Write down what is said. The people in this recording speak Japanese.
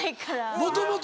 もともと。